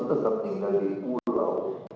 tetap tinggal di pulau